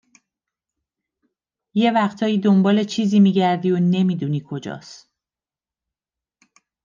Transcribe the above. یه وقتایی دنبال چیزی میگردی و نمیدونی کجاس